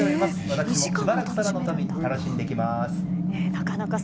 私もしばらく空の旅楽しんできます。